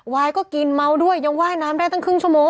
วายก็กินเมาด้วยยังว่ายน้ำได้ตั้งครึ่งชั่วโมง